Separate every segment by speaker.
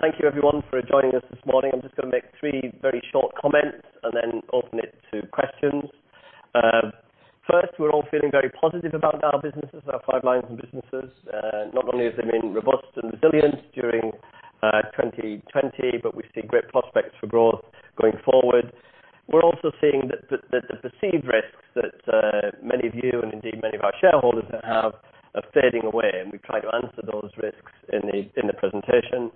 Speaker 1: Thank you, everyone, for joining us this morning. I'm just going to make three very short comments and then open it to questions. First, we're all feeling very positive about our businesses, our pipelines and businesses. Not only is it being robust and resilient during 2020, but we see great prospects for growth going forward. We're also seeing that the perceived risks that many of you and indeed many of our shareholders have are fading away, and we've tried to answer those risks in the presentation.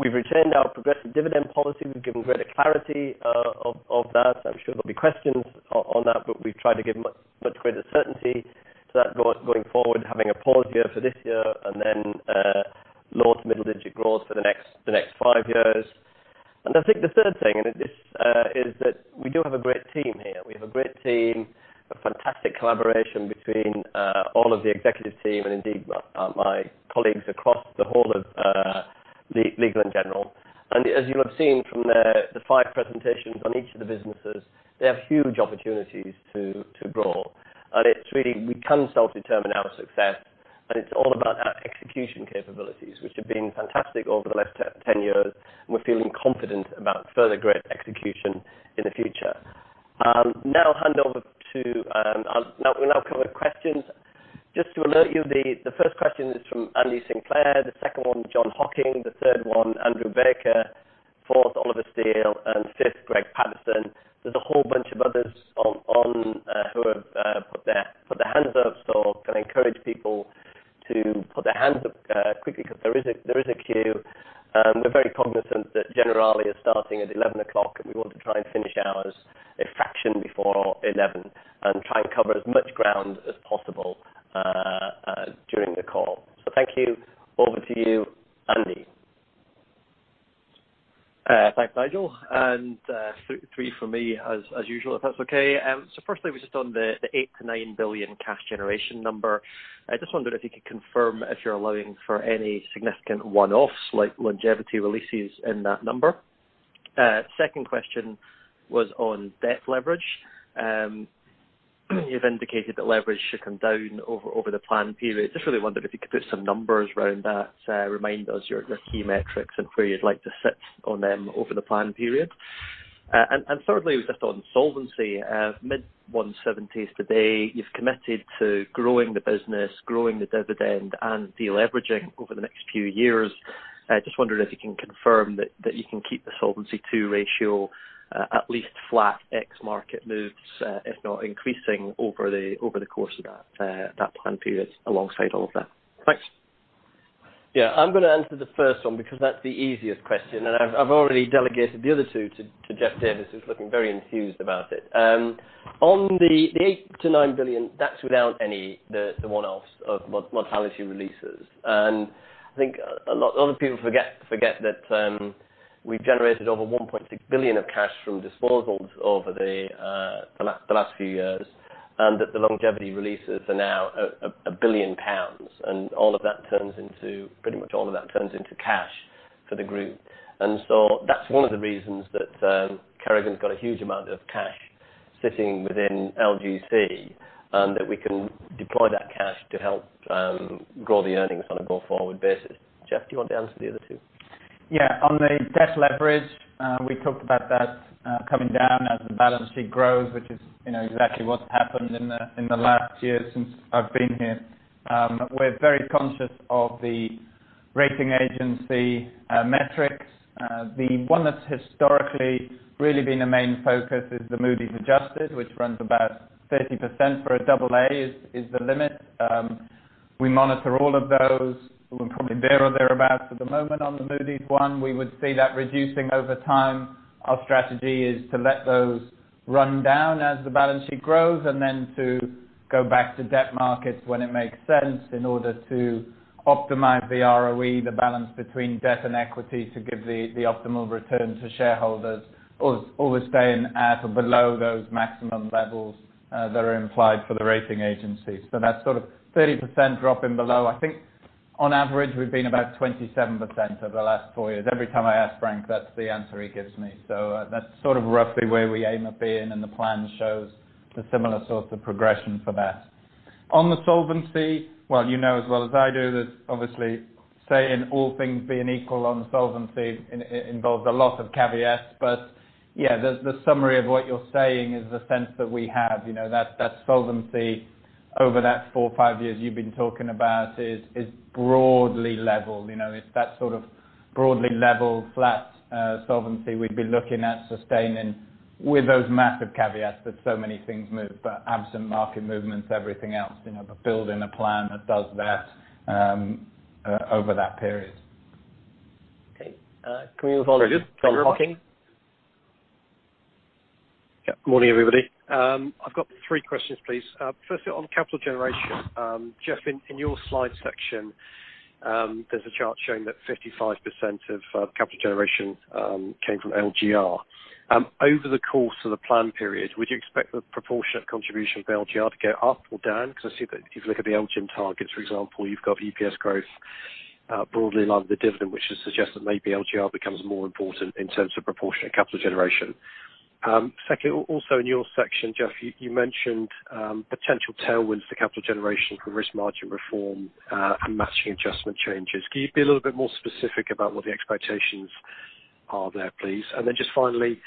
Speaker 1: We've retained our progressive dividend policy. We've given greater clarity of that. I'm sure there'll be questions on that, but we've tried to give much greater certainty so that going forward, having a pause year for this year and then low to middle digit growth for the next five years. I think the third thing in this is that we do have a great team here. We have a great team, a fantastic collaboration between all of the executive team and indeed my colleagues across the whole of Legal & General. As you have seen from the five presentations on each of the businesses, they have huge opportunities to grow. It's really we can self-determine our success, and it's all about our execution capabilities, which have been fantastic over the last 10 years. We're feeling confident about further great execution in the future. Now, we'll now cover questions. Just to alert you, the first question is from Andy Sinclair. The second one, Jon Hocking. The third one, Andrew Baker. Fourth, Oliver Steel. And fifth, Greg Patterson. There's a whole bunch of others who have put their hands up, so I'm going to encourage people to put their hands up quickly because there is a queue. We're very cognizant that General is starting at 11:00, and we want to try and finish ours a fraction before 11:00 and try and cover as much ground as possible during the call. Thank you. Over to you, Andy.
Speaker 2: Thanks, Nigel. Three from me, as usual, if that's okay. Firstly, just on the 8 billion-9 billion cash generation number. I just wondered if you could confirm if you're allowing for any significant one-offs like longevity releases in that number. Second question was on debt leverage. You've indicated that leverage should come down over the planned period. Just really wondered if you could put some numbers around that, remind us your key metrics and where you'd like to sit on them over the planned period. Thirdly, just on solvency, mid-170s today, you've committed to growing the business, growing the dividend, and deleveraging over the next few years. Just wondering if you can confirm that you can keep the Solvency II ratio at least flat ex-market moves, if not increasing, over the course of that planned period alongside all of that. Thanks.
Speaker 1: Yeah. I'm going to answer the first one because that's the easiest question, and I've already delegated the other two to Jeff Davies, who's looking very enthused about it. On the 8 billion-9 billion, that's without any of the one-offs of mortality releases. I think a lot of people forget that we've generated over 1.6 billion of cash from disposals over the last few years and that the longevity releases are now 1 billion pounds. All of that turns into, pretty much all of that turns into, cash for the group. That's one of the reasons that Kerrigan's got a huge amount of cash sitting within LGC and that we can deploy that cash to help grow the earnings on a go-forward basis. Jeff, do you want to answer the other two?
Speaker 3: Yeah. On the debt leverage, we talked about that coming down as the balance sheet grows, which is exactly what's happened in the last year since I've been here. We're very conscious of the rating agency metrics. The one that's historically really been a main focus is the Moody's Adjusted, which runs about 30% for a AA is the limit. We monitor all of those. We're probably there or thereabouts at the moment on the Moody's one. We would see that reducing over time. Our strategy is to let those run down as the balance sheet grows and then to go back to debt markets when it makes sense in order to optimize the ROE, the balance between debt and equity to give the optimal return to shareholders, always staying at or below those maximum levels that are implied for the rating agency. That's sort of 30% dropping below. I think on average, we've been about 27% over the last four years. Every time I ask Frank, that's the answer he gives me. That's sort of roughly where we aim at being, and the plan shows a similar sort of progression for that. On the solvency, you know as well as I do that obviously saying all things being equal on solvency involves a lot of caveats. Yeah, the summary of what you're saying is the sense that we have. That solvency over that four-five years you've been talking about is broadly leveled. It's that sort of broadly leveled flat solvency we'd be looking at sustaining with those massive caveats that so many things move, but absent market movements, everything else, but building a plan that does that over that period.
Speaker 1: Okay. Can we move on to Jon Hocking?
Speaker 4: Yeah. Morning, everybody. I've got three questions, please. Firstly, on capital generation. Jeff, in your slide section, there's a chart showing that 55% of capital generation came from LGR. Over the course of the planned period, would you expect the proportionate contribution of LGR to go up or down? Because I see that if you look at the LGIM targets, for example, you've got EPS growth broadly along the dividend, which has suggested maybe LGR becomes more important in terms of proportionate capital generation. Secondly, also in your section, Jeff, you mentioned potential tailwinds to capital generation for risk margin reform and matching adjustment changes. Can you be a little bit more specific about what the expectations are there, please? Just finally,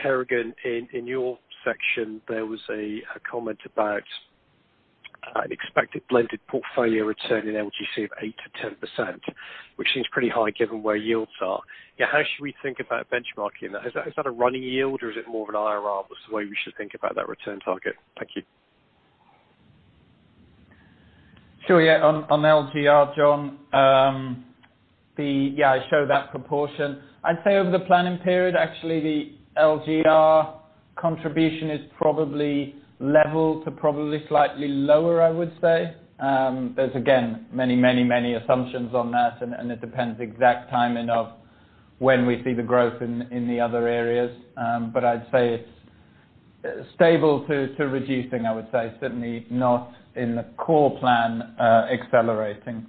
Speaker 4: Kerrigan, in your section, there was a comment about an expected blended portfolio return in LGC of 8%-10%, which seems pretty high given where yields are. How should we think about benchmarking that? Is that a running yield, or is it more of an IRR? What's the way we should think about that return target? Thank you.
Speaker 3: Yeah, on LGR, Jon, yeah, I show that proportion. I'd say over the planning period, actually, the LGR contribution is probably level to probably slightly lower, I would say. There's, again, many, many, many assumptions on that, and it depends exact timing of when we see the growth in the other areas. I'd say it's stable to reducing, I would say, certainly not in the core plan accelerating.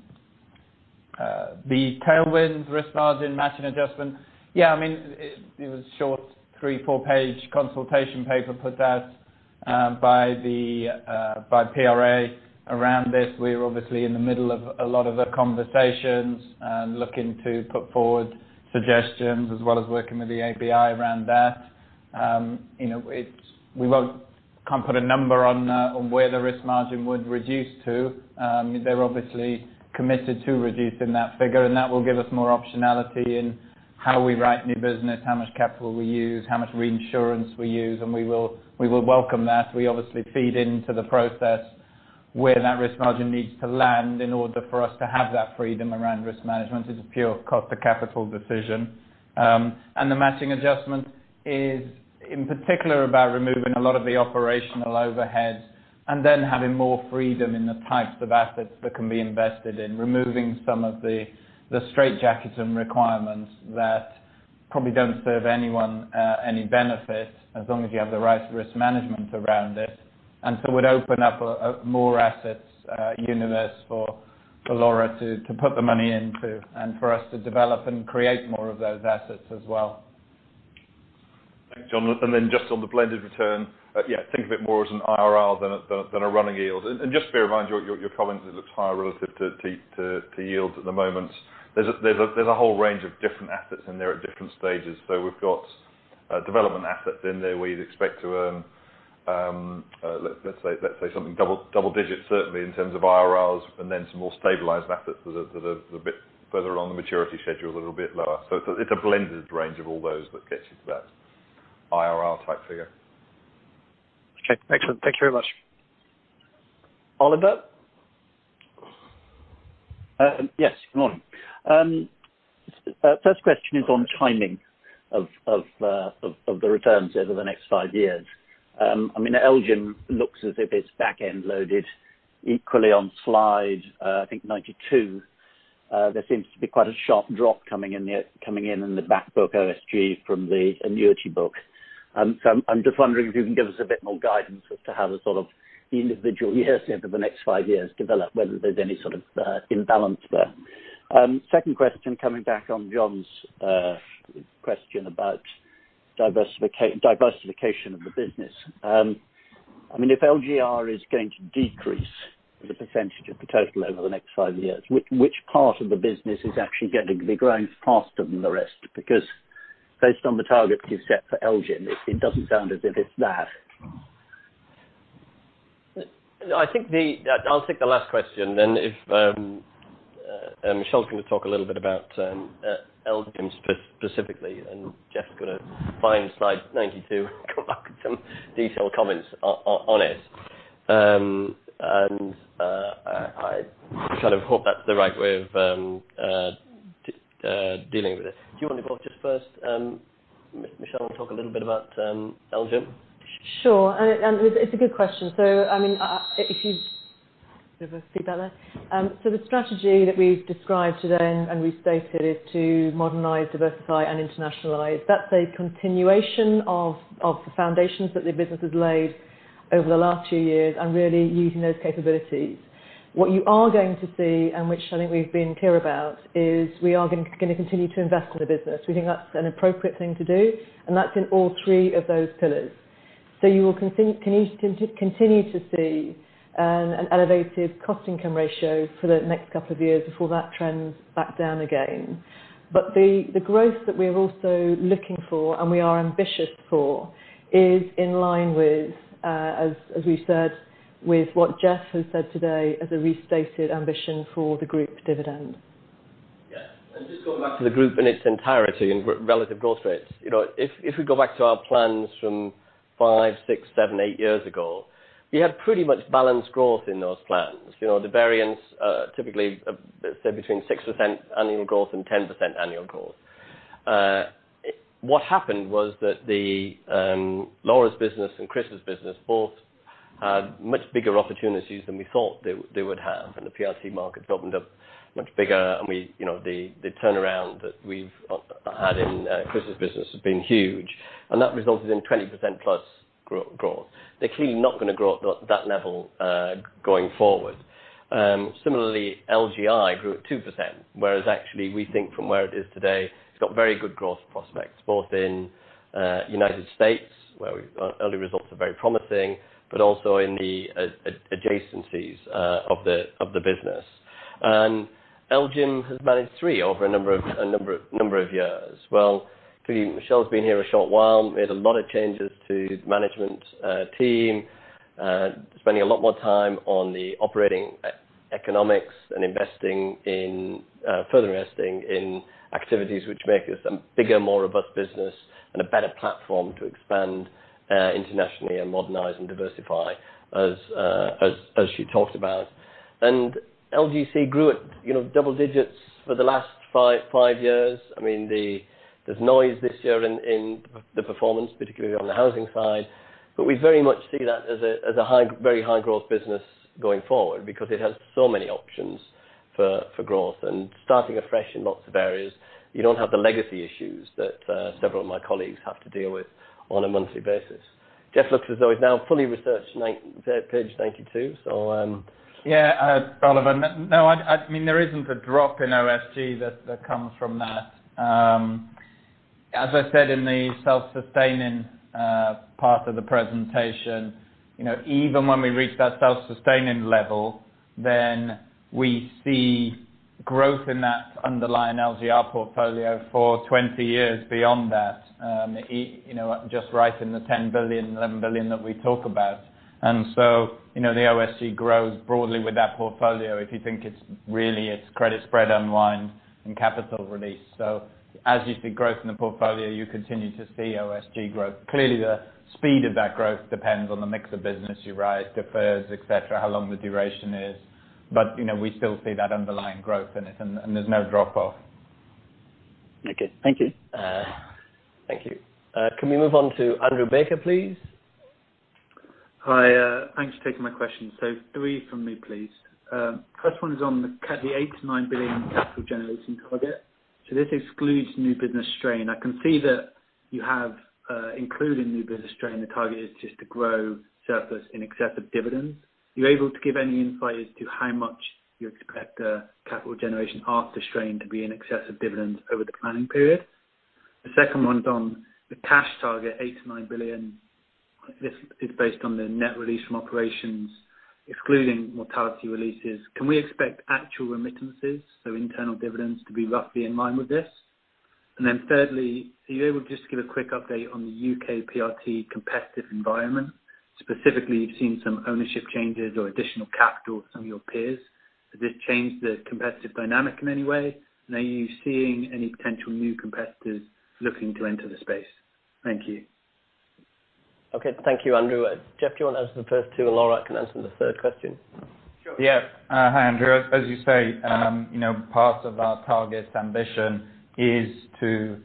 Speaker 3: The tailwinds, risk margin, matching adjustment, yeah, I mean, it was a short three, four-page consultation paper put out by PRA around this. We're obviously in the middle of a lot of the conversations and looking to put forward suggestions as well as working with the ABI around that. We can't put a number on where the risk margin would reduce to. They're obviously committed to reducing that figure, and that will give us more optionality in how we write new business, how much capital we use, how much reinsurance we use, and we will welcome that. We obviously feed into the process where that risk margin needs to land in order for us to have that freedom around risk management. It's a pure cost of capital decision. The matching adjustment is, in particular, about removing a lot of the operational overhead and then having more freedom in the types of assets that can be invested in, removing some of the straitjacket and requirements that probably don't serve anyone any benefit as long as you have the right risk management around it. It would open up a more assets universe for Laura to put the money into and for us to develop and create more of those assets as well.
Speaker 5: Thanks, Jon. Just on the blended return, yeah, think of it more as an IRR than a running yield. Just to be reminded, your comment, it looks higher relative to yields at the moment. There is a whole range of different assets in there at different stages. We have development assets in there where you would expect to earn, let's say, something double-digit certainly in terms of IRRs, and then some more stabilized assets that are a bit further on the maturity schedule, a little bit lower. It is a blended range of all those that gets you to that IRR-type figure.
Speaker 4: Okay. Excellent. Thank you very much.
Speaker 1: Oliver.
Speaker 6: Yes. Good morning. First question is on timing of the returns over the next five years. I mean, LGIM looks as if it's back-end loaded equally on slide, I think 92. There seems to be quite a sharp drop coming in in the backbook, OSG, from the annuity book. So I'm just wondering if you can give us a bit more guidance as to how the sort of individual years over the next five years develop, whether there's any sort of imbalance there. Second question, coming back on Jon's question about diversification of the business. I mean, if LGR is going to decrease as a percentage of the total over the next five years, which part of the business is actually going to be growing faster than the rest? Because based on the targets you've set for LGIM, it doesn't sound as if it's that.
Speaker 1: I'll take the last question, and then if Michelle's going to talk a little bit about LGIM specifically, and Jeff's going to find slide 92 and come up with some detailed comments on it. I kind of hope that's the right way of dealing with it. Do you want to go up just first? Michelle, talk a little bit about LGIM.
Speaker 7: Sure. It's a good question. I mean, if you have feedback there. The strategy that we've described today and restated is to modernize, diversify, and internationalize. That's a continuation of the foundations that the business has laid over the last few years and really using those capabilities. What you are going to see, which I think we've been clear about, is we are going to continue to invest in the business. We think that's an appropriate thing to do, and that's in all three of those pillars. You will continue to see an elevated cost-income ratio for the next couple of years before that trends back down again. The growth that we are also looking for, and we are ambitious for, is in line with, as we've said, with what Jeff has said today as a restated ambition for the group dividend.
Speaker 1: Yeah. Just going back to the group in its entirety and relative growth rates, if we go back to our plans from five, six, seven, eight years ago, we had pretty much balanced growth in those plans. The variance typically is, let's say, between 6% annual growth and 10% annual growth. What happened was that Laura's business and Chris's business both had much bigger opportunities than we thought they would have, and the PRC markets opened up much bigger, and the turnaround that we've had in Chris's business has been huge. That resulted in 20% plus growth. They're clearly not going to grow at that level going forward. Similarly, LGI grew at 2%, whereas actually we think from where it is today, it's got very good growth prospects both in the United States, where early results are very promising, but also in the adjacencies of the business. LGM has managed three over a number of years. Michelle's been here a short while. We had a lot of changes to the management team, spending a lot more time on the operating economics and investing in further investing in activities which make us a bigger, more robust business and a better platform to expand internationally and modernize and diversify, as she talked about. LGC grew at double digits for the last five years. I mean, there's noise this year in the performance, particularly on the housing side, but we very much see that as a very high-growth business going forward because it has so many options for growth and starting afresh in lots of areas. You don't have the legacy issues that several of my colleagues have to deal with on a monthly basis. Jeff looks as though he's now fully researched page 92, so.
Speaker 3: Yeah, Oliver. No, I mean, there is not a drop in OSG that comes from that. As I said in the self-sustaining part of the presentation, even when we reach that self-sustaining level, then we see growth in that underlying LGR portfolio for 20 years beyond that, just writing the 10 billion-11 billion that we talk about. The OSG grows broadly with that portfolio if you think it is really its credit spread unwind and capital release. As you see growth in the portfolio, you continue to see OSG growth. Clearly, the speed of that growth depends on the mix of business you write, the thirds, etc., how long the duration is. We still see that underlying growth in it, and there is no drop off.
Speaker 6: Okay. Thank you.
Speaker 1: Thank you. Can we move on to Andrew Baker, please?
Speaker 8: Hi. Thanks for taking my question. Three from me, please. First one is on the 8 billion-9 billion capital generating target. This excludes new business strain. I can see that you have included new business strain. The target is just to grow surplus in excess of dividends. Are you able to give any insight as to how much you expect capital generation after strain to be in excess of dividends over the planning period? The second one is on the cash target, 8 billion-9 billion. This is based on the net release from operations, excluding mortality releases. Can we expect actual remittances, so internal dividends, to be roughly in line with this? Thirdly, are you able to just give a quick update on the U.K. PRT competitive environment? Specifically, you have seen some ownership changes or additional capital from your peers. Has this changed the competitive dynamic in any way? Are you seeing any potential new competitors looking to enter the space? Thank you.
Speaker 1: Okay. Thank you, Andrew. Jeff, do you want to answer the first two, and Laura can answer the third question?
Speaker 3: Sure. Yeah. Hi, Andrew. As you say, part of our target ambition is to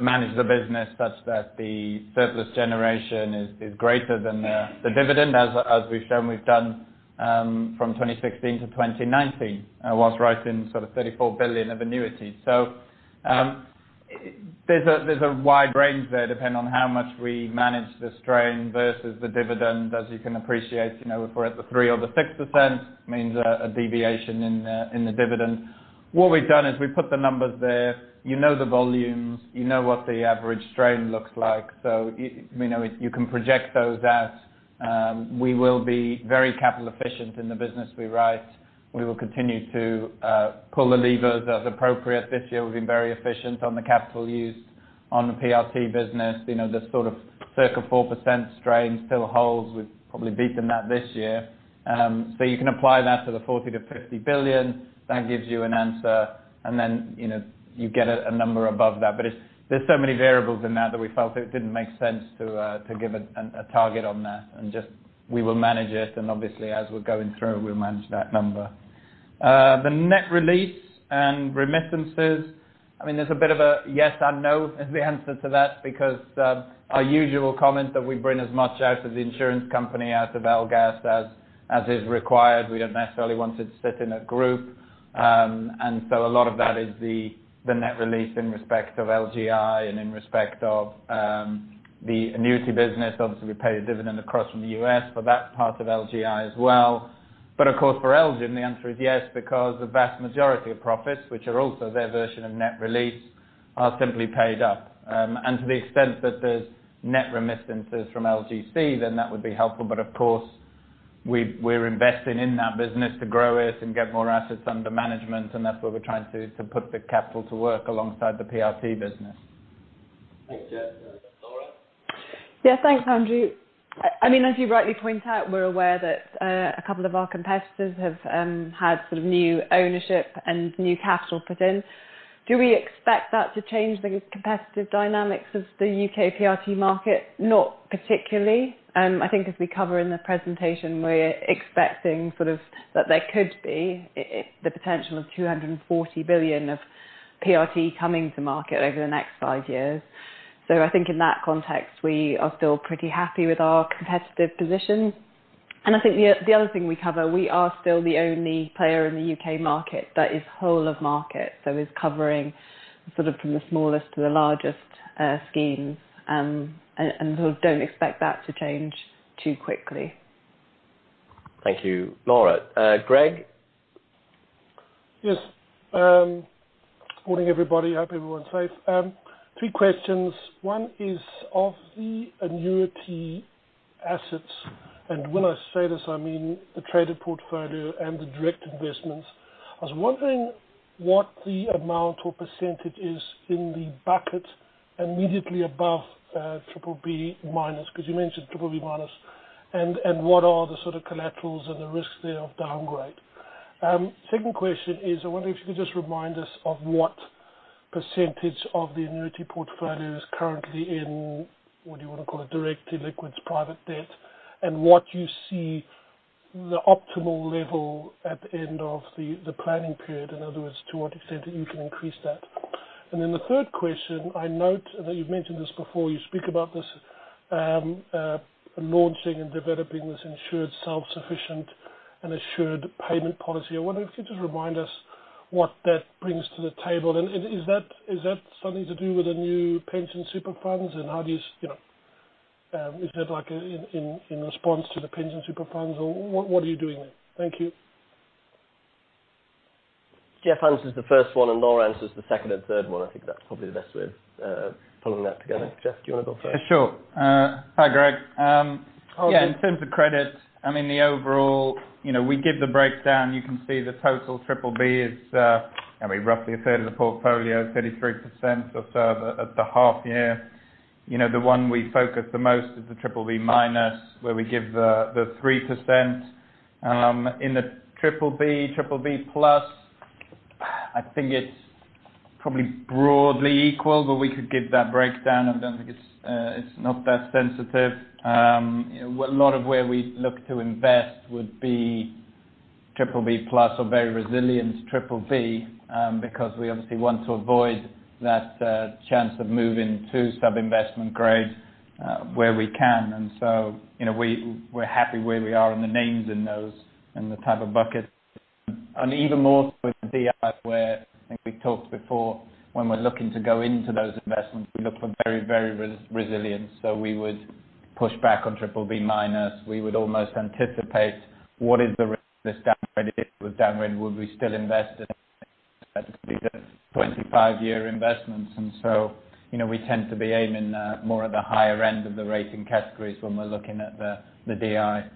Speaker 3: manage the business such that the surplus generation is greater than the dividend, as we've shown we've done from 2016-2019, whilst writing sort of 34 billion of annuities. There is a wide range there depending on how much we manage the strain versus the dividend. As you can appreciate, if we're at the 3% or the 6%, it means a deviation in the dividend. What we've done is we put the numbers there. You know the volumes. You know what the average strain looks like. You can project those out. We will be very capital efficient in the business we write. We will continue to pull the levers as appropriate. This year, we've been very efficient on the capital used on the PRT business. The sort of circa 4% strain still holds. We've probably beaten that this year. You can apply that to the 40 billion-50 billion. That gives you an answer. You get a number above that. There are so many variables in that that we felt it did not make sense to give a target on that. We will manage it. Obviously, as we are going through, we will manage that number. The net release and remittances, I mean, there is a bit of a yes and no is the answer to that because our usual comment is that we bring as much out of the insurance company, out of LGAS, as is required. We do not necessarily want it to sit in a group. A lot of that is the net release in respect of LGI and in respect of the annuity business. Obviously, we pay a dividend across from the U.S. for that part of LGI as well. Of course, for LGIM, the answer is yes because the vast majority of profits, which are also their version of net release, are simply paid up. To the extent that there are net remittances from LGC, that would be helpful. Of course, we are investing in that business to grow it and get more assets under management, and that is why we are trying to put the capital to work alongside the PRT business.
Speaker 1: Thanks, Jeff. Laura?
Speaker 9: Yeah. Thanks, Andrew. I mean, as you rightly point out, we're aware that a couple of our competitors have had sort of new ownership and new capital put in. Do we expect that to change the competitive dynamics of the U.K. PRT market? Not particularly. I think as we cover in the presentation, we're expecting sort of that there could be the potential of 240 billion of PRT coming to market over the next five years. I think in that context, we are still pretty happy with our competitive position. I think the other thing we cover, we are still the only player in the U.K. market that is whole of market, so is covering sort of from the smallest to the largest schemes, and sort of don't expect that to change too quickly.
Speaker 1: Thank you. Laura. Greig?
Speaker 10: Yes. Morning, everybody. Hope everyone's safe. Three questions. One is of the annuity assets, and when I say this, I mean the traded portfolio and the direct investments. I was wondering what the amount or percentage is in the bucket immediately above BBB- because you mentioned BBB-, and what are the sort of collaterals and the risks there of downgrade. Second question is, I wonder if you could just remind us of what percentage of the annuity portfolio is currently in, what do you want to call it, direct liquids private debt, and what you see the optimal level at the end of the planning period. In other words, to what extent that you can increase that. The third question, I note that you've mentioned this before. You speak about this launching and developing this insured self-sufficient and assured payment policy. I wonder if you could just remind us what that brings to the table. Is that something to do with the pension super funds, and is that in response to the pension super funds, or what are you doing there? Thank you.
Speaker 1: Jeff answers the first one, and Laura answers the second and third one. I think that's probably the best way of pulling that together. Jeff, do you want to go first?
Speaker 3: Sure. Hi, Greg. Yeah. In terms of credit, I mean, the overall, we give the breakdown. You can see the total BBB is roughly a third of the portfolio, 33% or so at the half year. The one we focus the most is the BBB-, where we give the 3%. In the BBB+, I think it's probably broadly equal, but we could give that breakdown. I do not think it's not that sensitive. A lot of where we look to invest would be BBB+ or very resilient BBB because we obviously want to avoid that chance of moving to sub-investment grade where we can. We are happy where we are and the names in those and the type of bucket. Even more so with the DR, where I think we talked before, when we're looking to go into those investments, we look for very, very resilient. We would push back on BBB-. We would almost anticipate what is the risk of this downgrade. If it was downgraded, would we still invest in these 25-year investments? We tend to be aiming more at the higher end of the rating categories when we're looking at the DI.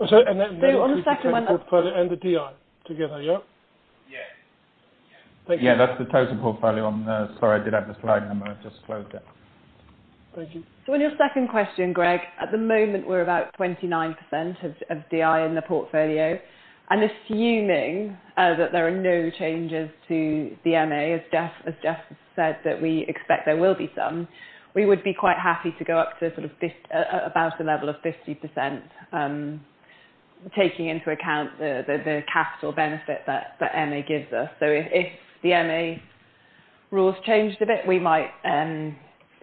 Speaker 10: On the second one. And the DI together, yeah? Yeah.
Speaker 3: Yeah. That's the total portfolio on the—sorry, I did have the slide number. I just closed it.
Speaker 10: Thank you.
Speaker 9: On your second question, Greg, at the moment, we're about 29% of DI in the portfolio. Assuming that there are no changes to the MA, as Jeff said, that we expect there will be some, we would be quite happy to go up to about a level of 50%, taking into account the capital benefit that MA gives us. If the MA rules changed a bit, we might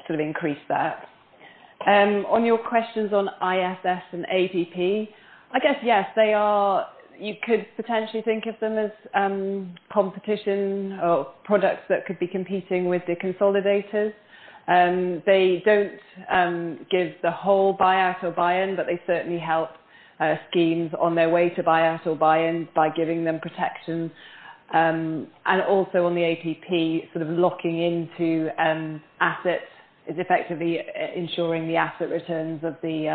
Speaker 9: increase that. On your questions on ISS and APP, I guess, yes, they are—you could potentially think of them as competition or products that could be competing with the consolidators. They do not give the whole buy-out or buy-in, but they certainly help schemes on their way to buy-out or buy-in by giving them protection. Also on the APP, sort of locking into assets is effectively ensuring the asset returns of the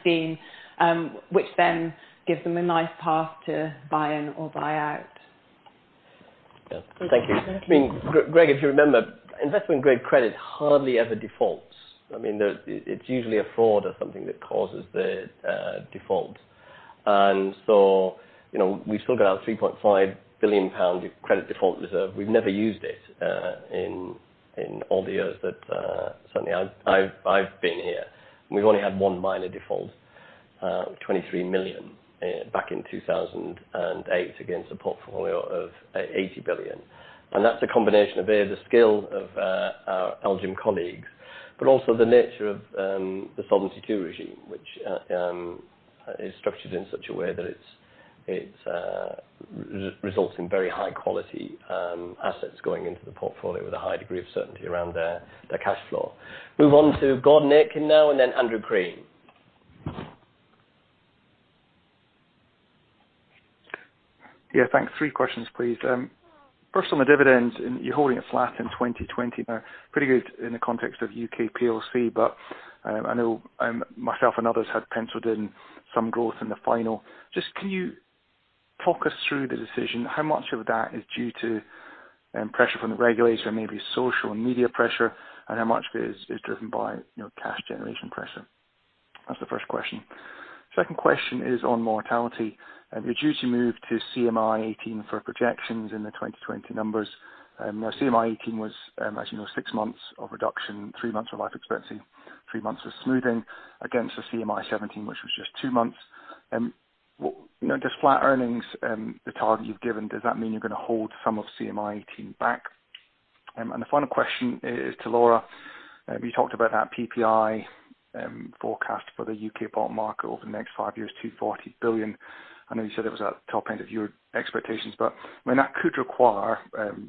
Speaker 9: scheme, which then gives them a nice path to buy-in or buy-out.
Speaker 1: Yeah. Thank you. I mean, Greg, if you remember, investment-grade credit hardly ever defaults. I mean, it's usually a fraud or something that causes the default. We've still got our 3.5 billion pound credit default reserve. We've never used it in all the years that certainly I've been here. We've only had one minor default, 23 million, back in 2008 against a portfolio of 80 billion. That's a combination of either the skill of our LGIM colleagues, but also the nature of the Solvency II regime, which is structured in such a way that it results in very high-quality assets going into the portfolio with a high degree of certainty around their cash flow. Move on to Gordon Aitken now, and then Andrew Crean.
Speaker 11: Yeah. Thanks. Three questions, please. First, on the dividends, you're holding it flat in 2020. Pretty good in the context of U.K. PLC, but I know myself and others had penciled in some growth in the final. Just can you talk us through the decision? How much of that is due to pressure from the regulator, maybe social and media pressure, and how much of it is driven by cash generation pressure? That's the first question. Second question is on mortality. Your duty move to CMI-18 for projections in the 2020 numbers. Now, CMI-18 was, as you know, six months of reduction, three months of life expectancy, three months of smoothing against the CMI-17, which was just two months. Just flat earnings, the target you've given, does that mean you're going to hold some of CMI-18 back? And the final question is to Laura. You talked about that PPI forecast for the U.K. bond market over the next five years, 240 billion. I know you said it was at the top end of your expectations, but that could require,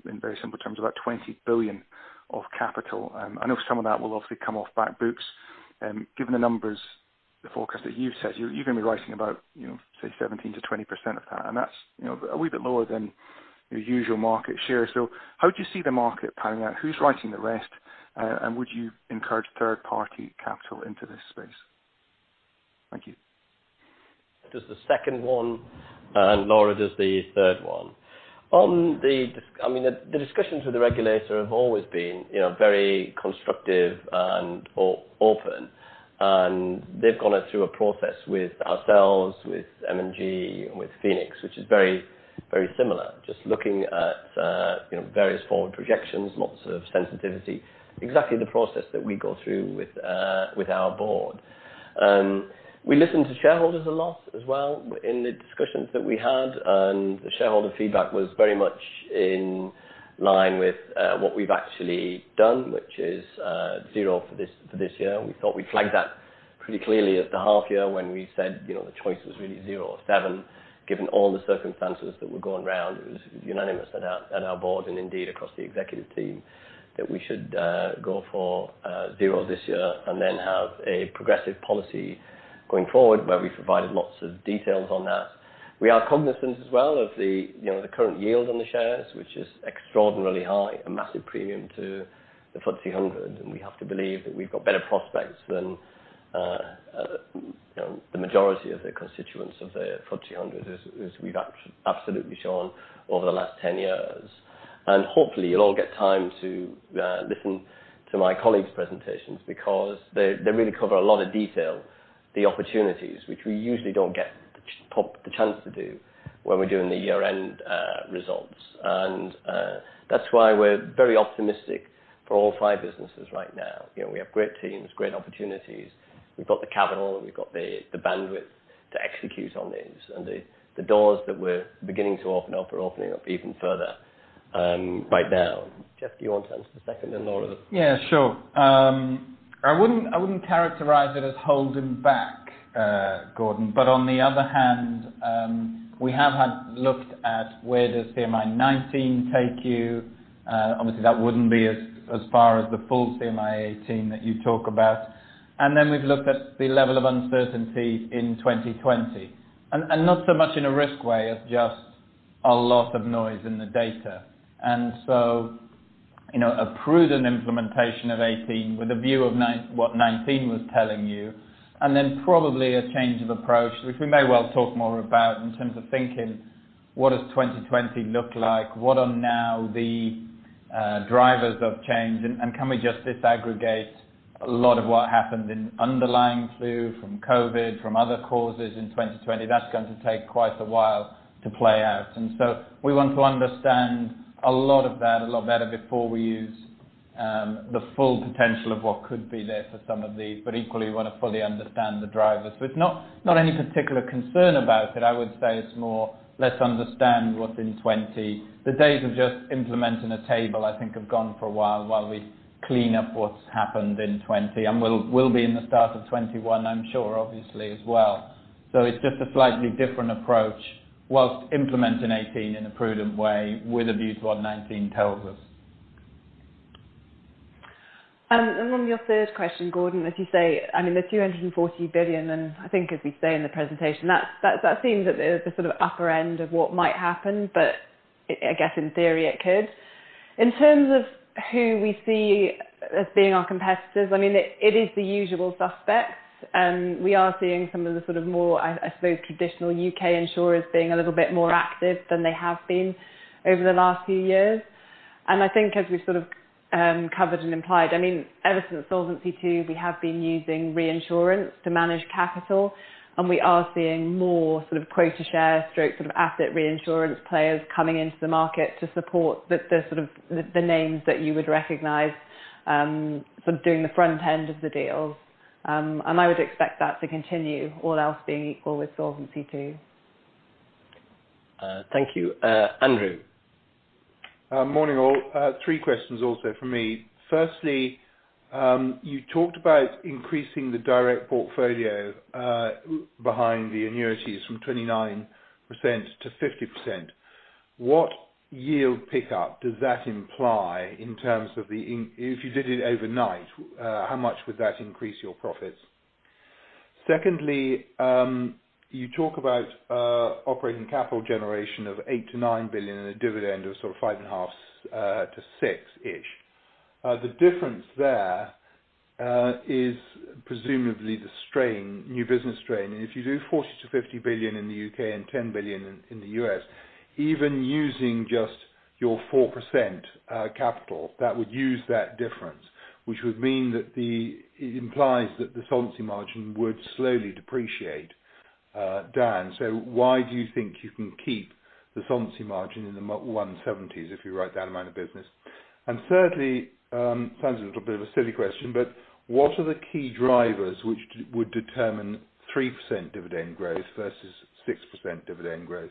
Speaker 11: in very simple terms, about 20 billion of capital. I know some of that will obviously come off back books. Given the numbers, the forecast that you've said, you're going to be writing about, say, 17%-20% of that. That's a wee bit lower than your usual market share. How do you see the market panning out? Who's writing the rest? Would you encourage third-party capital into this space? Thank you.
Speaker 1: This is the second one, and Laura does the third one. I mean, the discussions with the regulator have always been very constructive and open. They have gone through a process with ourselves, with M&G, with Phoenix, which is very similar, just looking at various forward projections, lots of sensitivity, exactly the process that we go through with our board. We listen to shareholders a lot as well in the discussions that we had. The shareholder feedback was very much in line with what we have actually done, which is zero for this year. We thought we had flagged that pretty clearly at the half year when we said the choice was really zero or seven. Given all the circumstances that were going around, it was unanimous at our board and indeed across the executive team that we should go for zero this year and then have a progressive policy going forward where we provided lots of details on that. We are cognizant as well of the current yield on the shares, which is extraordinarily high, a massive premium to the FTSE 100. We have to believe that we've got better prospects than the majority of the constituents of the FTSE 100, as we've absolutely shown over the last 10 years. Hopefully, you'll all get time to listen to my colleagues' presentations because they really cover a lot of detail, the opportunities, which we usually don't get the chance to do when we're doing the year-end results. That is why we're very optimistic for all five businesses right now. We have great teams, great opportunities. We've got the capital. We've got the bandwidth to execute on these. The doors that we're beginning to open up are opening up even further right now. Jeff, do you want to answer the second, and Laura?
Speaker 3: Yeah. Sure. I would not characterize it as holding back, Gordon. On the other hand, we have looked at where does CMI-19 take you. Obviously, that would not be as far as the full CMI-18 that you talk about. We have looked at the level of uncertainty in 2020, and not so much in a risk way as just a lot of noise in the data. A prudent implementation of 18 with a view of what 19 was telling you, and probably a change of approach, which we may well talk more about in terms of thinking, what does 2020 look like? What are now the drivers of change? Can we just disaggregate a lot of what happened in underlying flu from COVID, from other causes in 2020? That is going to take quite a while to play out. We want to understand a lot of that a lot better before we use the full potential of what could be there for some of these, but equally, we want to fully understand the drivers. It is not any particular concern about it. I would say it is more let's understand what's in 2020. The days of just implementing a table, I think, have gone for a while while we clean up what's happened in 2020. We will be in the start of 2021, I am sure, obviously, as well. It is just a slightly different approach whilst implementing 18 in a prudent way with a view to what 19 tells us.
Speaker 9: On your third question, Gordon, as you say, the 240 billion, and I think, as we say in the presentation, that seems at the sort of upper end of what might happen, but I guess in theory it could. In terms of who we see as being our competitors, it is the usual suspects. We are seeing some of the more, I suppose, traditional U.K. insurers being a little bit more active than they have been over the last few years. I think, as we've sort of covered and implied, ever since Solvency II, we have been using reinsurance to manage capital. We are seeing more sort of quota share stroke sort of asset reinsurance players coming into the market to support the sort of the names that you would recognize sort of doing the front end of the deals. I would expect that to continue, all else being equal with Solvency II.
Speaker 1: Thank you. Andrew.
Speaker 12: Morning, all. Three questions also for me. Firstly, you talked about increasing the direct portfolio behind the annuities from 29% to 50%. What yield pickup does that imply in terms of the if you did it overnight, how much would that increase your profits? Secondly, you talk about operating capital generation of 8 billion-9 billion and a dividend of sort of 5.5-6-ish. The difference there is presumably the strain, new business strain. If you do 40 billion-50 billion in the U.K. and 10 billion in the U.S., even using just your 4% capital, that would use that difference, which would mean that it implies that the Solvency margin would slowly depreciate down. Why do you think you can keep the Solvency margin in the 170s if you write that amount of business? Thirdly, sounds a little bit of a silly question, but what are the key drivers which would determine 3% dividend growth versus 6% dividend growth?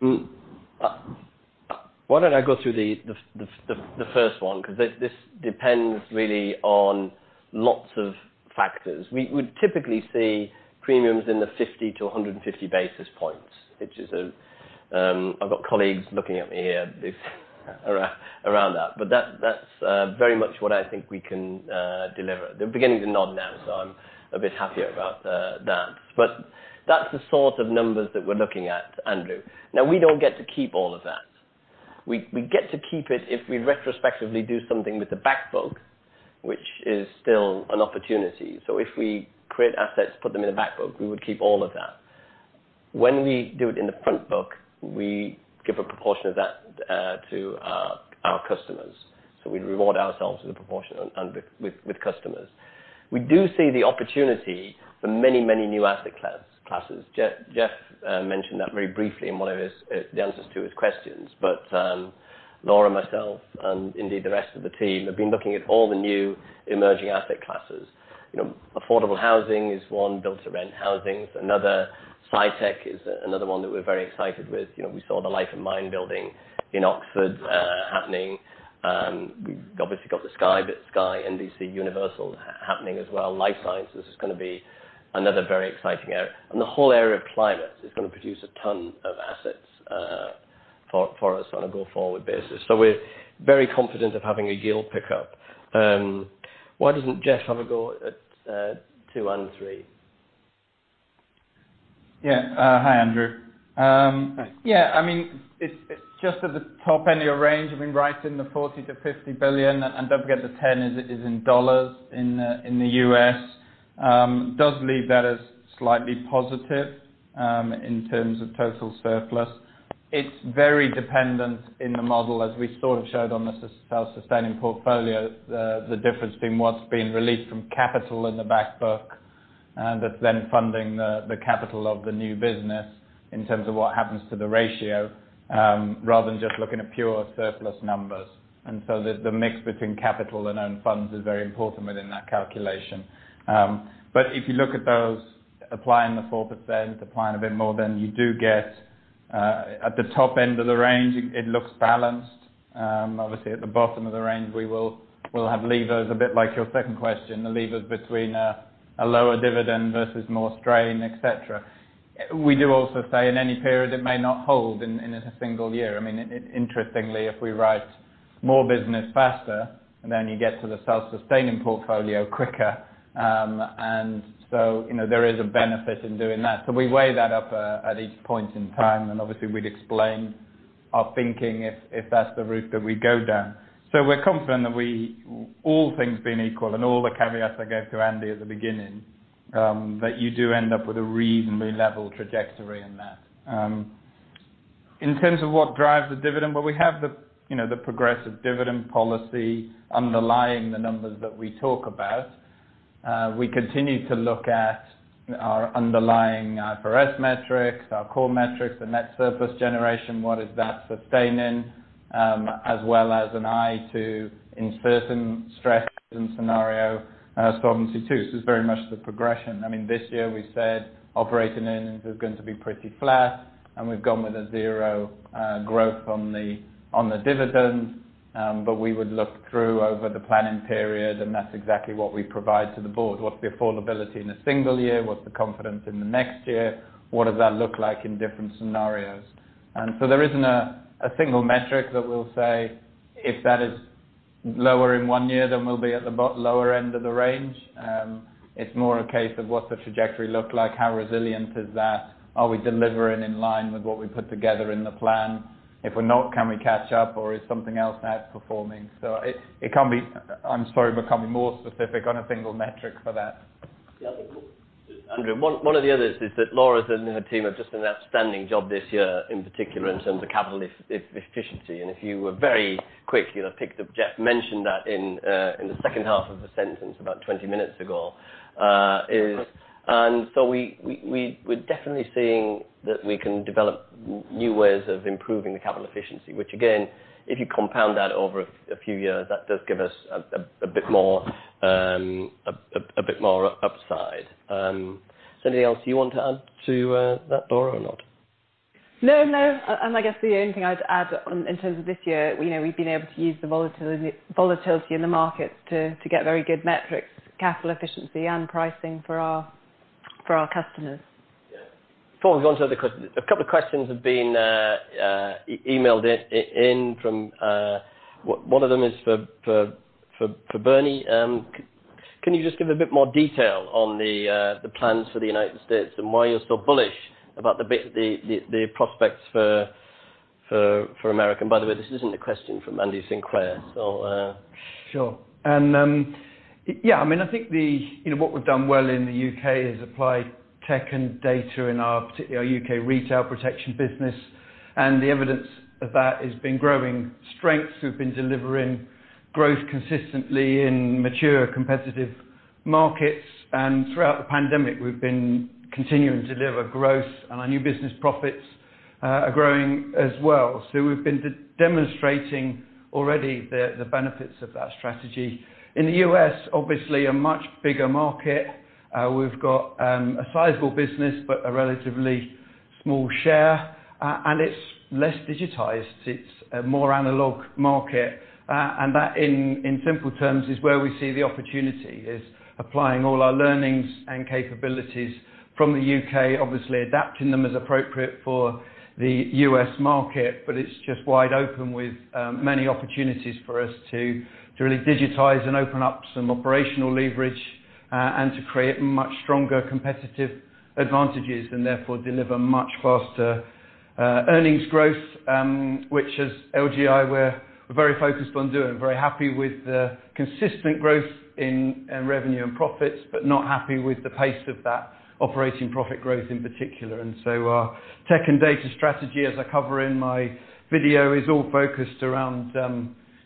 Speaker 1: Why don't I go through the first one? Because this depends really on lots of factors. We would typically see premiums in the 50-150 basis points, which is a I've got colleagues looking at me here around that. That is very much what I think we can deliver. They're beginning to nod now, so I'm a bit happier about that. That is the sort of numbers that we're looking at, Andrew. Now, we don't get to keep all of that. We get to keep it if we retrospectively do something with the backbook, which is still an opportunity. If we create assets, put them in the backbook, we would keep all of that. When we do it in the front book, we give a proportion of that to our customers. We reward ourselves with a proportion with customers. We do see the opportunity for many, many new asset classes. Jeff mentioned that very briefly in one of his answers to his questions. Laura, myself, and indeed the rest of the team have been looking at all the new emerging asset classes. Affordable housing is one. Build-to-rent housing is another. SciTech is another one that we're very excited with. We saw the Life and Mind building in Oxford happening. We've obviously got the Sky-NBCUniversal happening as well. Life sciences is going to be another very exciting area. The whole area of climate is going to produce a ton of assets for us on a go-forward basis. We are very confident of having a yield pickup. Why does not Jeff have a go at two and three?
Speaker 3: Yeah. Hi, Andrew. Yeah. I mean, it's just at the top end of your range. I mean, right in the 40 billion-50 billion, and don't forget the 10 is in dollars in the U.S. Does leave that as slightly positive in terms of total surplus. It's very dependent in the model, as we sort of showed on the self-sustaining portfolio, the difference between what's being released from capital in the backbook that's then funding the capital of the new business in terms of what happens to the ratio rather than just looking at pure surplus numbers. The mix between capital and own funds is very important within that calculation. If you look at those applying the 4%, applying a bit more than, you do get at the top end of the range, it looks balanced. Obviously, at the bottom of the range, we will have levers, a bit like your second question, the levers between a lower dividend versus more strain, etc. We do also say in any period, it may not hold in a single year. I mean, interestingly, if we write more business faster, then you get to the self-sustaining portfolio quicker. There is a benefit in doing that. We weigh that up at each point in time. Obviously, we'd explain our thinking if that's the route that we go down. We're confident that all things being equal and all the caveats I gave to Andy at the beginning, you do end up with a reasonably level trajectory in that. In terms of what drives the dividend, we have the progressive dividend policy underlying the numbers that we talk about. We continue to look at our underlying IFRS metrics, our core metrics, the net surplus generation, what is that sustaining, as well as an eye to, in certain stress and scenario, Solvency II. It is very much the progression. I mean, this year, we said operating earnings is going to be pretty flat. We have gone with a zero growth on the dividend. We would look through over the planning period, and that is exactly what we provide to the board. What is the affordability in a single year? What is the confidence in the next year? What does that look like in different scenarios? There is not a single metric that will say if that is lower in one year, then we will be at the lower end of the range. It is more a case of what does the trajectory look like? How resilient is that? Are we delivering in line with what we put together in the plan? If we're not, can we catch up? Is something else outperforming? It can't be, I'm sorry, but can't be more specific on a single metric for that.
Speaker 1: One of the others is that Laura's and her team have just done an outstanding job this year, in particular in terms of capital efficiency. If you were very quick, you'll have picked up Jeff mentioned that in the second half of the sentence about 20 minutes ago. We are definitely seeing that we can develop new ways of improving the capital efficiency, which, again, if you compound that over a few years, that does give us a bit more upside. Is there anything else you want to add to that, Laura, or not?
Speaker 9: No, no. I guess the only thing I'd add in terms of this year, we've been able to use the volatility in the markets to get very good metrics, capital efficiency, and pricing for our customers.
Speaker 1: Before we go on to other questions, a couple of questions have been emailed in from one of them is for Bernie. Can you just give a bit more detail on the plans for the United States and why you're so bullish about the prospects for America? By the way, this isn't a question from Andy Sinclair, so.
Speaker 13: Sure. Yeah, I mean, I think what we've done well in the U.K. is apply tech and data in our U.K. retail protection business. The evidence of that has been growing strength. We've been delivering growth consistently in mature competitive markets. Throughout the pandemic, we've been continuing to deliver growth. Our new business profits are growing as well. We've been demonstrating already the benefits of that strategy. In the U.S., obviously, a much bigger market. We've got a sizable business but a relatively small share. It's less digitized. It's a more analog market. That, in simple terms, is where we see the opportunity: applying all our learnings and capabilities from the U.K., obviously adapting them as appropriate for the U.S. market. It is just wide open with many opportunities for us to really digitize and open up some operational leverage and to create much stronger competitive advantages and therefore deliver much faster earnings growth, which, as LGI, we are very focused on doing. Very happy with the consistent growth in revenue and profits, but not happy with the pace of that operating profit growth in particular. Our tech and data strategy, as I cover in my video, is all focused around,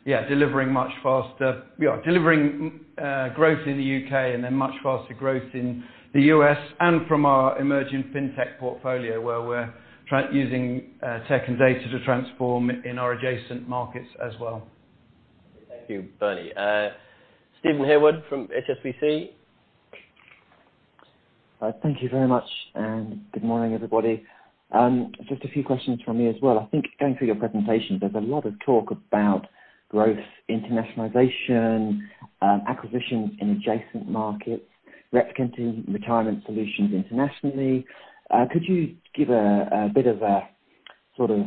Speaker 13: yeah, delivering much faster delivering growth in the U.K. and then much faster growth in the U.S. and from our emerging fintech portfolio where we are using tech and data to transform in our adjacent markets as well.
Speaker 1: Thank you, Bernie. Steven Haywood from HSBC.
Speaker 14: Thank you very much. Good morning, everybody. Just a few questions from me as well. I think going through your presentations, there is a lot of talk about growth, internationalization, acquisitions in adjacent markets, replicating retirement solutions internationally. Could you give a bit of a sort of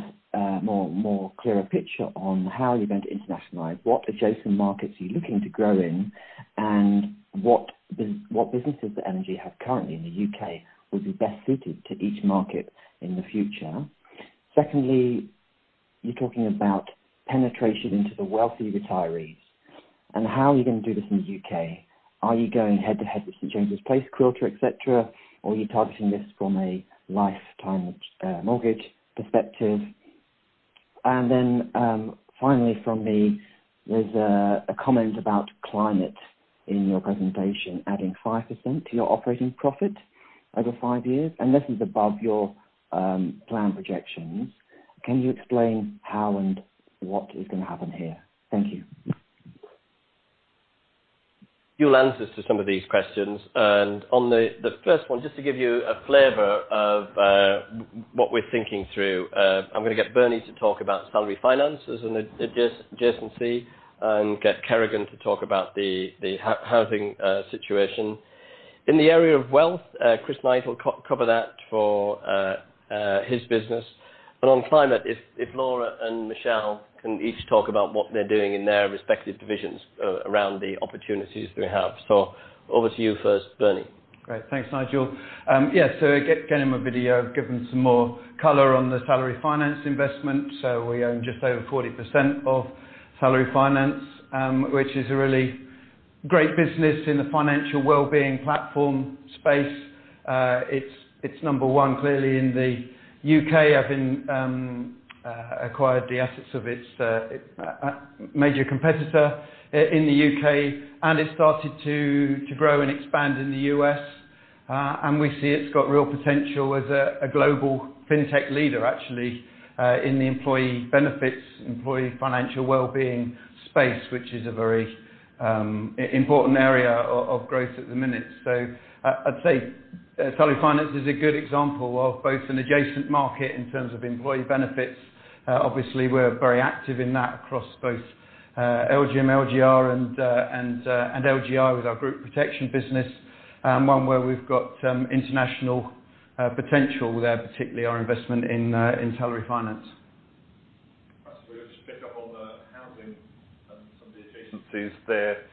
Speaker 14: more clearer picture on how you are going to internationalize? What adjacent markets are you looking to grow in? What businesses that Legal & General has currently in the U.K. would be best suited to each market in the future? Secondly, you are talking about penetration into the wealthy retirees. How are you going to do this in the U.K.? Are you going head-to-head with St. James's Place, Quilter, etc., or are you targeting this from a lifetime mortgage perspective? Finally, from me, there's a comment about climate in your presentation, adding 5% to your operating profit over five years, and this is above your plan projections. Can you explain how and what is going to happen here? Thank you.
Speaker 1: Few answers to some of these questions. On the first one, just to give you a flavor of what we're thinking through, I'm going to get Bernie to talk about Salary Finance and adjacency and get Kerrigan to talk about the housing situation. In the area of wealth, Chris Knight will cover that for his business. On climate, if Laura and Michelle can each talk about what they're doing in their respective divisions around the opportunities they have. Over to you first, Bernie.
Speaker 13: Great. Thanks, Nigel. Yeah. In my video, I've given some more color on the Salary Finance investment. We own just over 40% of Salary Finance, which is a really great business in the financial well-being platform space. It's number one, clearly, in the U.K. It has acquired the assets of its major competitor in the U.K., and it's started to grow and expand in the U.S. We see it's got real potential as a global fintech leader, actually, in the employee benefits, employee financial well-being space, which is a very important area of growth at the minute. I'd say Salary Finance is a good example of both an adjacent market in terms of employee benefits. Obviously, we're very active in that across both LGIM, LGR, and LGI with our group protection business, one where we've got international potential there, particularly our investment in Salary Finance.
Speaker 5: I'm just going to pick up on the housing and some of the adjacencies there.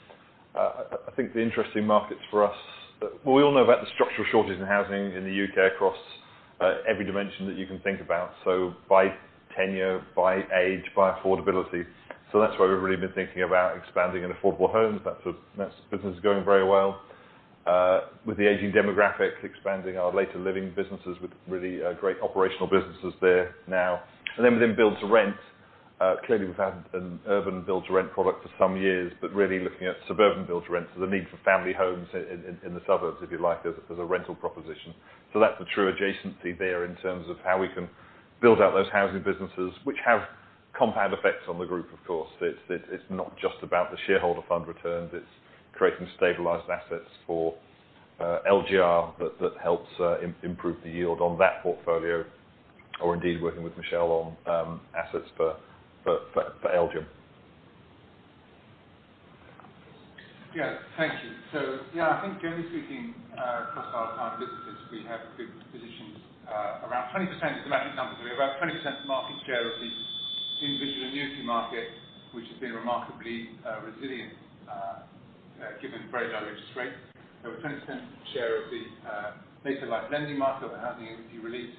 Speaker 5: I think the interesting markets for us, well, we all know about the structural shortage in housing in the U.K. across every dimension that you can think about, so by tenure, by age, by affordability. That's why we've really been thinking about expanding in affordable homes. That business is going very well with the aging demographics, expanding our later living businesses with really great operational businesses there now. Within build-to-rent, clearly, we've had an urban build-to-rent product for some years, but really looking at suburban build-to-rent, so the need for family homes in the suburbs, if you like, as a rental proposition. That's the true adjacency there in terms of how we can build out those housing businesses, which have compound effects on the group, of course. It's not just about the shareholder fund returns. It's creating stabilized assets for LGR that helps improve the yield on that portfolio, or indeed working with Michelle on assets for LGIM.
Speaker 15: Yeah. Thank you. Yeah, I think generally speaking, across our current businesses, we have good positions. Around 20% is the magic number. We have about 20% market share of the individual and annuity market, which has been remarkably resilient given very low interest rates. We have a 20% share of the native life lending market or the housing equity release,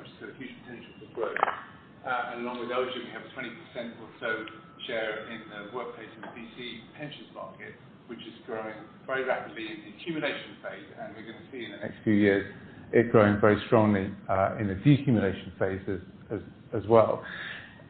Speaker 15: which is a huge potential for growth. Along with LGIM, we have a 20% or so share in the workplace and the DC pensions market, which is growing very rapidly in the accumulation phase. We're going to see in the next few years it growing very strongly in the de-accumulation phases as well.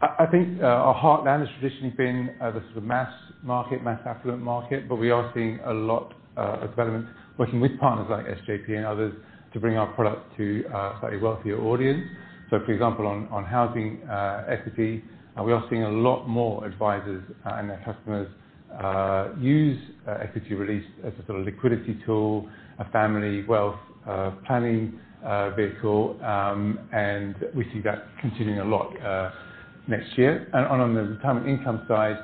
Speaker 15: I think our heartland has traditionally been the sort of mass market, mass affluent market, but we are seeing a lot of development working with partners like SJP and others to bring our product to a slightly wealthier audience. For example, on housing equity, we are seeing a lot more advisors and their customers use equity release as a sort of liquidity tool, a family wealth planning vehicle. We see that continuing a lot next year. On the retirement income side,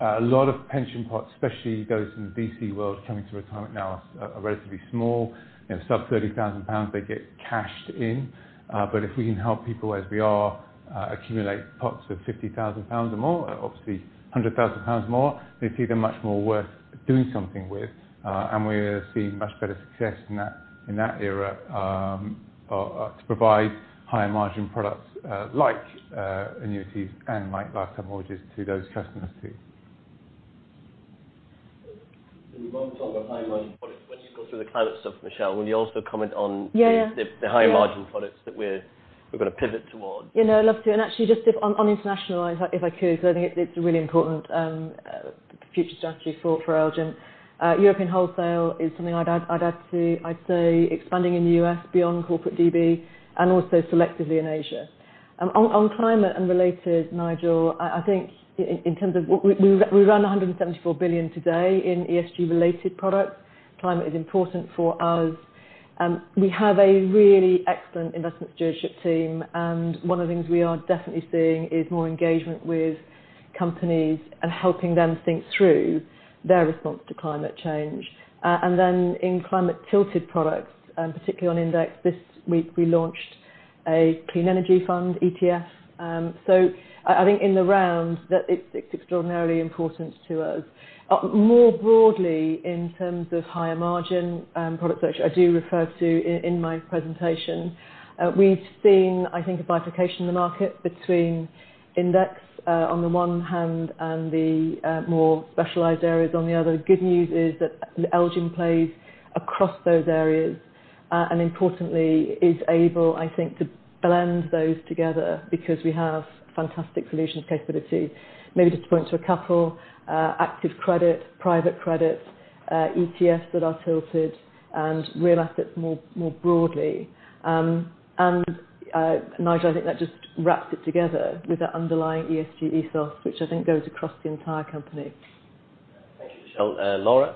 Speaker 15: a lot of pension pots, especially those in the DC world coming to retirement now, are relatively small. Sub-GBP 30,000, they get cashed in. If we can help people as we are accumulate pots of 50,000 pounds or more, obviously 100,000 pounds or more, they see them much more worth doing something with. We're seeing much better success in that area to provide higher margin products like annuities and like lifetime mortgages to those customers too.
Speaker 1: We won't talk about high margin products when you go through the climate stuff, Michelle. Will you also comment on the high margin products that we're going to pivot towards?
Speaker 7: Yeah. No, I'd love to. Actually, just on international, if I could, because I think it's a really important future strategy for LGIM. European wholesale is something I'd add to, I'd say, expanding in the U.S. beyond corporate DB and also selectively in Asia. On climate and related, Nigel, I think in terms of we run 174 billion today in ESG-related products. Climate is important for us. We have a really excellent investment stewardship team. One of the things we are definitely seeing is more engagement with companies and helping them think through their response to climate change. In climate-tilted products, particularly on index, this week we launched a Clean Energy Fund ETF. I think in the round, it's extraordinarily important to us. More broadly, in terms of higher margin products, which I do refer to in my presentation, we've seen, I think, a bifurcation in the market between index on the one hand and the more specialized areas on the other. The good news is that LGIM plays across those areas and, importantly, is able, I think, to blend those together because we have fantastic solutions, capabilities. Maybe just to point to a couple: active credit, private credit, ETFs that are tilted, and real assets more broadly. Nigel, I think that just wraps it together with that underlying ESG ethos, which I think goes across the entire company.
Speaker 1: Thank you, Michelle. Laura?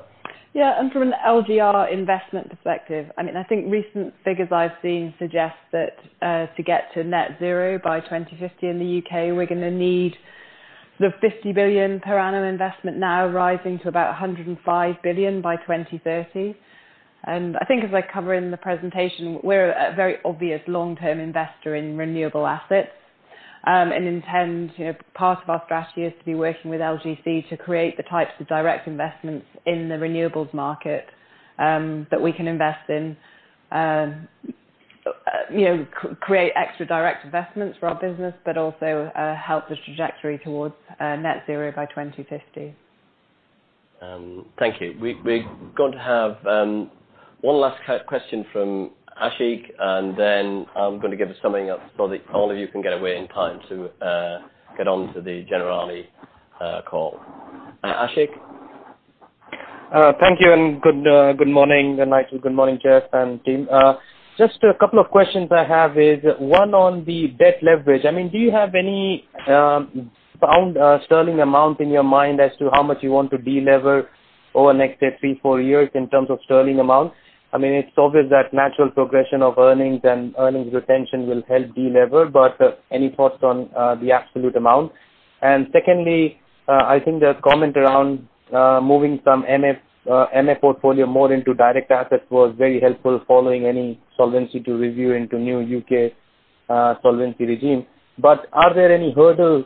Speaker 9: Yeah. From an LGR investment perspective, I mean, I think recent figures I've seen suggest that to get to net zero by 2050 in the U.K., we're going to need sort of 50 billion per annum investment now, rising to about 105 billion by 2030. I think, as I cover in the presentation, we're a very obvious long-term investor in renewable assets and intend part of our strategy is to be working with LGC to create the types of direct investments in the renewables market that we can invest in, create extra direct investments for our business, but also help the trajectory towards net zero by 2050.
Speaker 1: Thank you. We're going to have one last question from Ashik, and then I'm going to give a summary so that all of you can get away in time to get on to the general call. Ashik?
Speaker 16: Thank you. Good morning, Nigel. Good morning, Jeff and team. Just a couple of questions I have is one on the debt leverage. Do you have any pound sterling amount in your mind as to how much you want to delever over the next, say, three-four years in terms of sterling amount? I mean, it's obvious that natural progression of earnings and earnings retention will help delever. Any thoughts on the absolute amount? Secondly, I think the comment around moving some MF portfolio more into direct assets was very helpful following any Solvency II review into new U.K. solvency regime. Are there any hurdles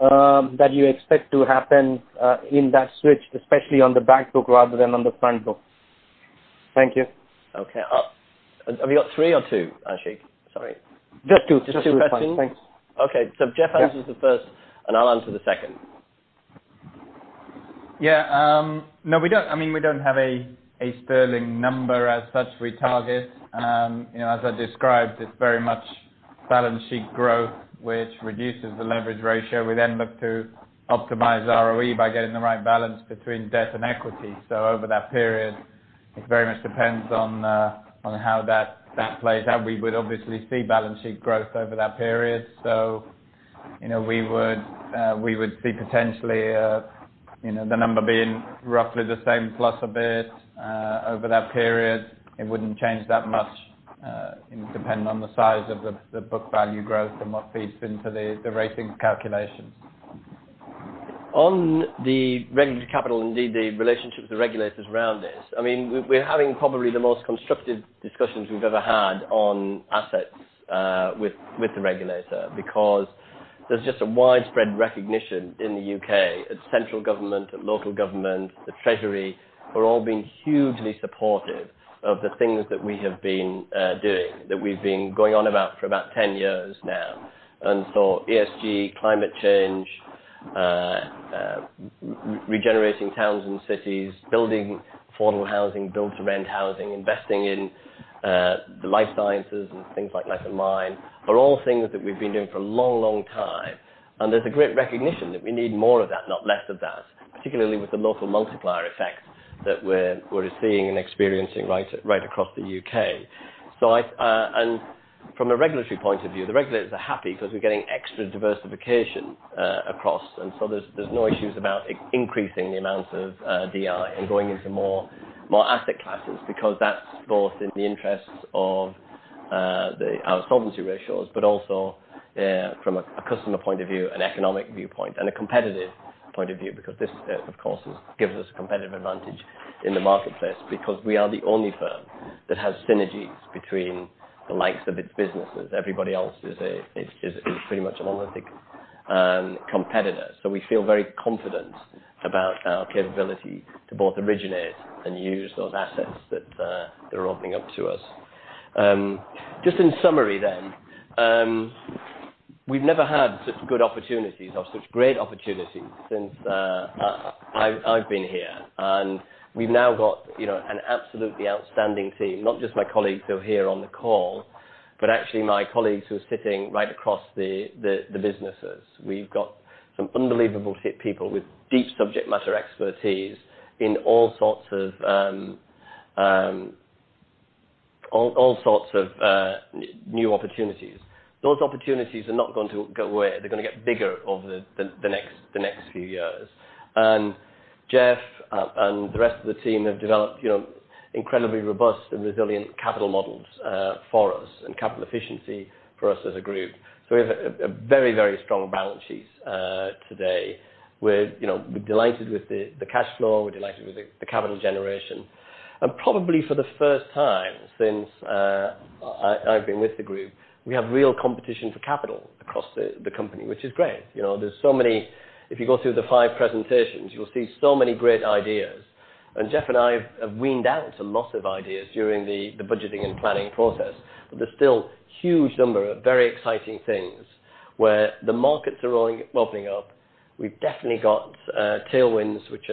Speaker 16: that you expect to happen in that switch, especially on the back book rather than on the front book? Thank you.
Speaker 1: Okay. Have you got three or two, Ashik? Sorry.
Speaker 16: Just two. Just two questions.
Speaker 1: Just two questions. Okay. Jeff answers the first, and I'll answer the second.
Speaker 3: Yeah. No, we do not, I mean, we do not have a sterling number as such we target. As I described, it is very much balance sheet growth, which reduces the leverage ratio. We then look to optimize ROE by getting the right balance between debt and equity. Over that period, it very much depends on how that plays. We would obviously see balance sheet growth over that period. We would see potentially the number being roughly the same plus a bit over that period. It would not change that much depending on the size of the book value growth and what feeds into the rating calculations.
Speaker 1: On the regulatory capital, indeed, the relationship with the regulators around this, I mean, we're having probably the most constructive discussions we've ever had on assets with the regulator because there's just a widespread recognition in the U.K., at central government, at local government, the Treasury are all being hugely supportive of the things that we have been doing, that we've been going on about for about 10 years now. ESG, climate change, regenerating towns and cities, building affordable housing, build-to-rent housing, investing in the life sciences and things like Life and Mind are all things that we've been doing for a long, long time. There's a great recognition that we need more of that, not less of that, particularly with the local multiplier effects that we're seeing and experiencing right across the U.K. From a regulatory point of view, the regulators are happy because we're getting extra diversification across. There are no issues about increasing the amounts of DI and going into more asset classes because that's both in the interests of our solvency ratios, but also from a customer point of view, an economic viewpoint, and a competitive point of view because this, of course, gives us a competitive advantage in the marketplace because we are the only firm that has synergies between the likes of its businesses. Everybody else is pretty much an monolithic competitor. We feel very confident about our capability to both originate and use those assets that are opening up to us. Just in summary then, we've never had such good opportunities, or such great opportunities since I've been here. We have now got an absolutely outstanding team, not just my colleagues who are here on the call, but actually my colleagues who are sitting right across the businesses. We have some unbelievable people with deep subject matter expertise in all sorts of new opportunities. Those opportunities are not going to go away. They are going to get bigger over the next few years. Jeff and the rest of the team have developed incredibly robust and resilient capital models for us and capital efficiency for us as a group. We have a very, very strong balance sheet today. We are delighted with the cash flow. We are delighted with the capital generation. Probably for the first time since I have been with the group, we have real competition for capital across the company, which is great. are so many if you go through the five presentations, you'll see so many great ideas. Jeff and I have weaned out a lot of ideas during the budgeting and planning process. There is still a huge number of very exciting things where the markets are opening up. We have definitely got tailwinds, which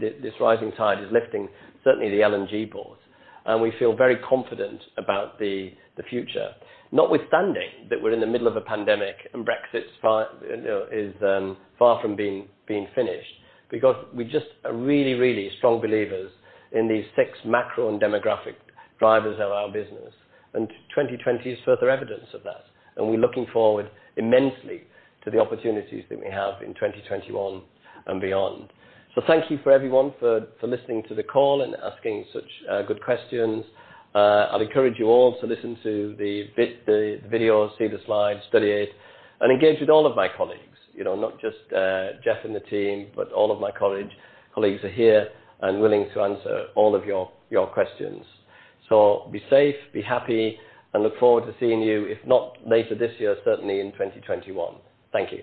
Speaker 1: this rising tide is lifting, certainly the L&G boat. We feel very confident about the future, notwithstanding that we are in the middle of a pandemic and Brexit is far from being finished because we are just really, really strong believers in these six macro and demographic drivers of our business. 2020 is further evidence of that. We are looking forward immensely to the opportunities that we have in 2021 and beyond. Thank you everyone for listening to the call and asking such good questions. I'd encourage you all to listen to the video, see the slides, study it, and engage with all of my colleagues, not just Jeff and the team, but all of my colleagues are here and willing to answer all of your questions. Be safe, be happy, and look forward to seeing you, if not later this year, certainly in 2021. Thank you.